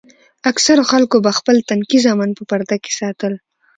اکثرو خلکو به خپل تنکي زامن په پرده کښې ساتل.